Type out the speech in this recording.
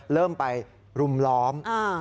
เริ่มไปรุมล้อม